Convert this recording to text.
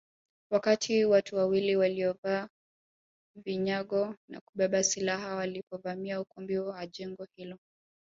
Wakati watu wawili waliovaa vinyago na kubeba silaha walipovamia ukumbi wa jengo hilo